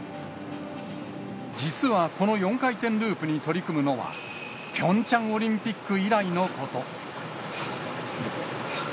実はこの４回転ループに取り組むのは、ピョンチャンオリンピック以来のこと。